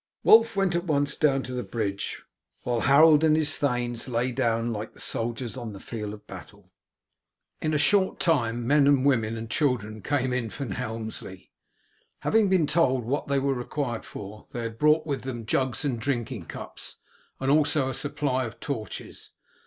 Wulf went at once down to the bridge, while Harold and his thanes lay down like the soldiers on the field of battle. In a short time men, women, and children came in from Helmsley. Having been told what they were required for, they had brought with them jugs and drinking cups, and also a supply of torches.